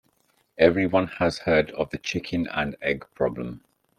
Everyone has heard of the chicken and egg problem.